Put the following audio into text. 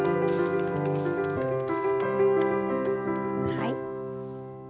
はい。